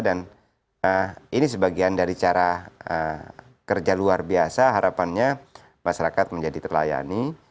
dan ini sebagian dari cara kerja luar biasa harapannya masyarakat menjadi terlayani